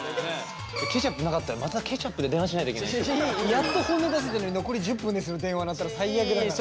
やっと本音出せたのに「残り１０分です」の電話が鳴ったら最悪だからね。